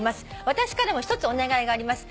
「私からも１つお願いがあります」